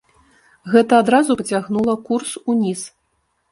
Гэта адразу пацягнула курс уніз.